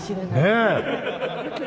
ねえ。